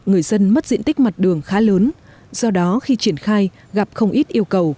người dân mất diện tích mặt đường khá lớn do đó khi triển khai gặp không ít yêu cầu